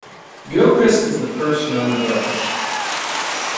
Gilchrist is the first known earl.